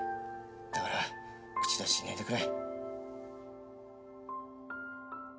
だから口出ししないでくれ。